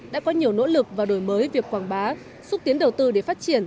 đã có nhiều nỗ lực và đổi mới việc quảng bá xúc tiến đầu tư để phát triển